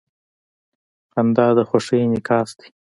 • خندا د خوښۍ انعکاس دی.